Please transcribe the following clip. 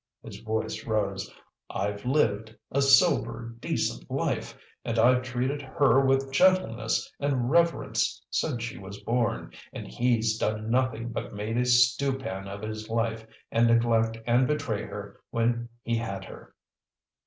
His voice rose. "I've lived a sober, decent life, and I've treated HER with gentleness and reverence since she was born, and HE'S done nothing but make a stew pan of his life and neglect and betray her when he had her.